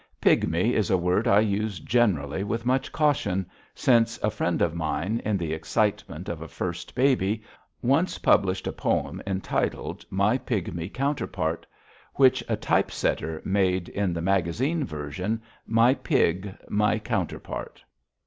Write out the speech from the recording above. "Pigmy" is a word I use generally with much caution, since a friend of mine, in the excitement of a first baby, once published a poem entitled "My Pigmy Counterpart," which a type setter made, in the magazine version, "My Pig, My Counterpart."